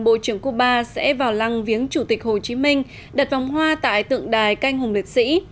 bộ trưởng cuba sẽ vào lăng viếng chủ tịch hồ chí minh đặt vòng hoa tại tượng đài canh hùng liệt sĩ